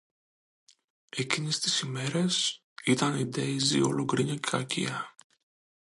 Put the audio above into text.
Εκείνες τις μέρες ήταν η Ντέιζη όλο γκρίνια και κακία